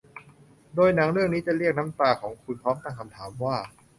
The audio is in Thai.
โดยหนังเรื่องนี้จะเรียกน้ำตาของคุณพร้อมตั้งคำถามว่า